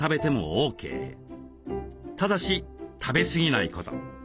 ただし食べすぎないこと。